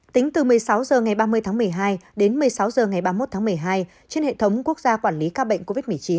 tính từ một mươi sáu h ngày ba mươi tháng một mươi hai đến một mươi sáu h ngày ba mươi một tháng một mươi hai trên hệ thống quốc gia quản lý ca bệnh covid một mươi chín